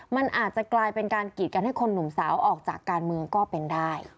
มันอาจจะกลายเป็นการกีดกันให้คนหนุ่มสาวออกจากการเมืองก็เป็นได้